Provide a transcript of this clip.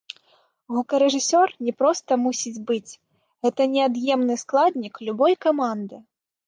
Гукарэжысёр не проста мусіць быць, гэта неад'емны складнік любой каманды!